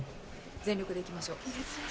全力でいきましょう。